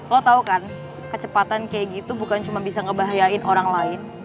lo tau kan kecepatan kayak gitu bukan cuma bisa ngebahayain orang lain